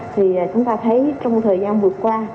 thì chúng ta thấy trong thời gian vừa qua